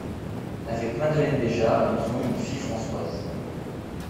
Avec Madeleine Béjart ils ont eu une fille Françoise.